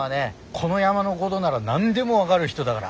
この山のごどなら何でも分がる人だがら。